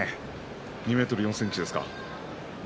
２ｍ４ｃｍですか。